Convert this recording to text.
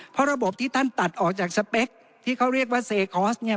เพราะระบบที่ท่านตัดออกจากสเปคที่เขาเรียกว่าเซคอร์สเนี่ย